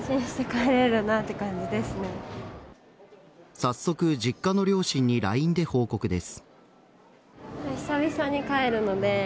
早速、実家の両親にＬＩＮＥで報告です。